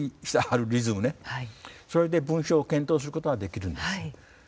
それで文章を検討することができるんです。